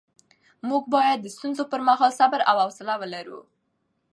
موږ باید د ستونزو پر مهال صبر او حوصله ولرو